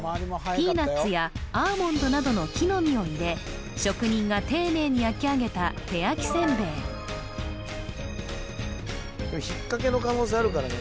ピーナツやアーモンドなどの木の実を入れ職人が丁寧に焼き上げた引っかけの可能性あるからね